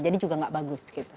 jadi juga nggak bagus